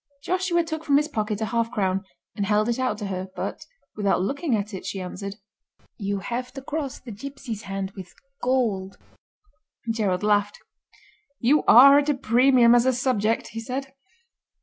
Joshua took from his pocket a half crown and held it out to her, but, without looking at it, she answered: "You have to cross the gipsy's hand with gold." Gerald laughed. "You are at a premium as a subject," he said.